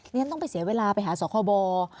นี่มันต้องไปเสียเวลาไปหาส่อควบอล